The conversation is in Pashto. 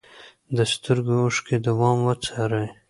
د سترګو اوښکې دوام وڅارئ.